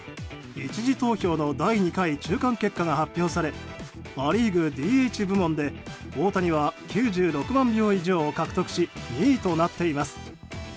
１次投票の第２回中間結果が発表されア・リーグＤＨ部門で大谷は９６万票以上獲得し２位となっています。